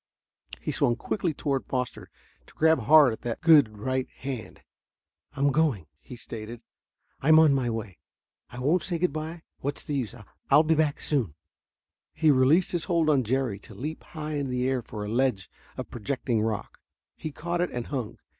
He swung quickly toward Foster, to grab hard at the good right hand. "I'm going," he stated. "I'm on my way. I won't say good by; what's the use I'll be back soon!" He released his hold on Jerry to leap high in the air for a ledge of projecting rock. He caught it and hung.